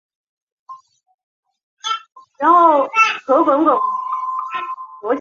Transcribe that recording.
校报致力成为学生与信息的桥梁。